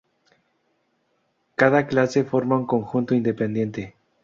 Cada clase forma un conjunto independiente.